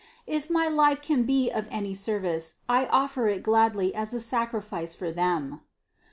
If my life can be of any service, I offer it gladly as a sacrifice for them."